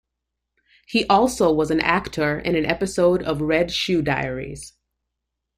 He also was an actor in an episode of "Red Shoe Diaries".